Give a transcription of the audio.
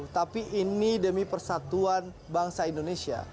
tapi ini demi persatuan bangsa indonesia